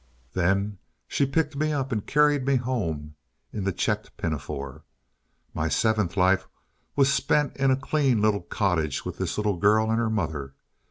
Then she picked me up and carried me home in the checked pinafore. My seventh life was spent in a clean little cottage with this little girl and her mother.